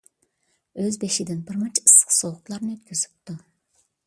ئۆز بېشىدىن بىرمۇنچە ئىسسىق - سوغۇقلارنى ئۆتكۈزۈپتۇ.